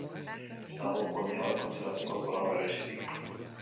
Ez dago poni hauek kontserbatzeko programa berezirik.